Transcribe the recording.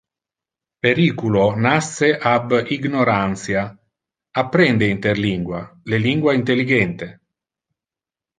Periculo nasce ab ignorantia. Apprende interlingua le lingua intelligente. 😉